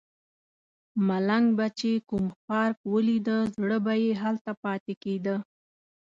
ملنګ به چې کوم پارک ولیده زړه به یې هلته پاتې کیده.